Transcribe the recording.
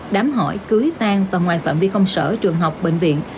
đám hỏi cưới tan và ngoài phạm vi công sở trường học bệnh viện